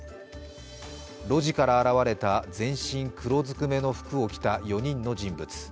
路地から現れた全身黒ずくめの服を着た４人の人物。